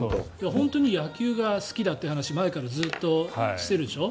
本当に野球が好きだという話を前からしてるでしょ。